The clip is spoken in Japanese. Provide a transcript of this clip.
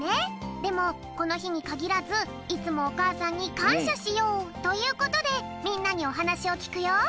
でもこのひにかぎらずいつもおかあさんにかんしゃしようということでみんなにおはなしをきくよ。